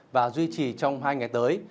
và duy trì trong hai ngày tới